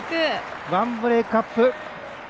１ブレークアップ。